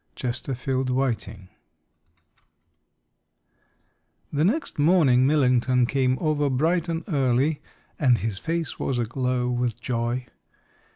CHESTERFIELD WHITING THE next morning Millington came over bright and early, and his face was aglow with joy.